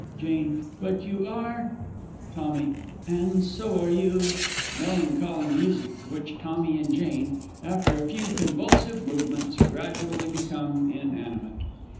Jane. But you are! Tommy. And so are you! [Melancholy music; to which TOMMY and Jane, _after a few convulsive movements, gradually become inanimate.